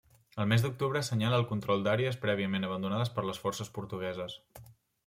El mes d'octubre assenyala el control d'àrees prèviament abandonades per les forces portugueses.